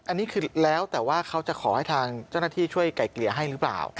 อันนี้คือแล้วแต่ว่าเขาจะขอให้ทางเจ้าหน้าที่ช่วยไก่เกลี่ยให้หรือเปล่า